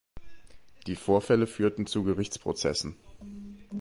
Die Vorfälle führten zu Gerichtsprozessen.